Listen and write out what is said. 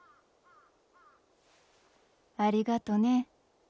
ありがとね。